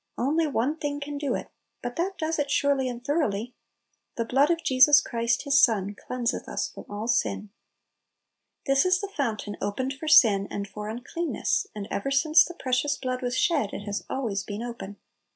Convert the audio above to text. Only one thing can do it, but that does it surely and thoroughly. "The blood of Jesus Christ His Son cleanseth us from all sin." This is "the fountain opened for sin and for uncleanness"; and ever since the precious blood was shed, it has always been open.